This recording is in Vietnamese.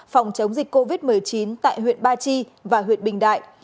phòng chống dịch covid một mươi chín tại huyện ba chi và huyện bình đại